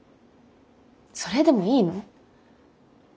それでもいいの？